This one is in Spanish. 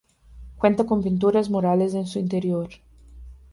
Cuenta con pinturas murales en su interior.